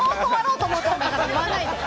言わないでよ！